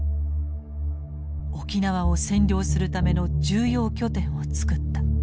沖縄を占領するための重要拠点を作った。